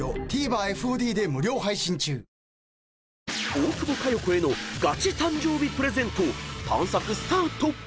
［大久保佳代子へのガチ誕生日プレゼント探索スタート！］